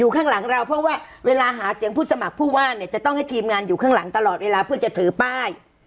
ข้างหลังเราเพราะว่าเวลาหาเสียงผู้สมัครผู้ว่าเนี่ยจะต้องให้ทีมงานอยู่ข้างหลังตลอดเวลาเพื่อจะถือป้าย